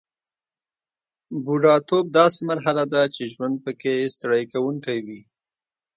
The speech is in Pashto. بوډاتوب داسې مرحله ده چې ژوند پکې ستړي کوونکی وي